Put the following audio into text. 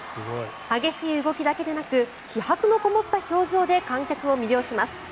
激しい動きだけでなく気迫のこもった表情で観客を魅了します。